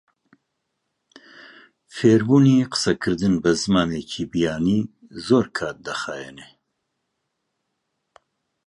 فێربوونی قسەکردن بە زمانێکی بیانی زۆر کات دەخایەنێت.